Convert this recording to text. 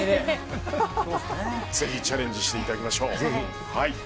ぜひチャレンジしていただきましょう。